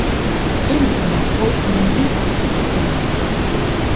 Elle donne à Bruce un mobile pour le crime.